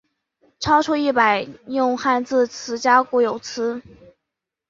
超过一百用汉字词加固有词。